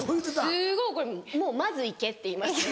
すごい怒るもう「まず行け」って言います。